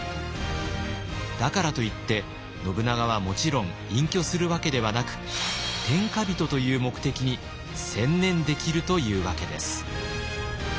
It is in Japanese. だからといって信長はもちろん隠居するわけではなく天下人という目的に専念できるというわけです。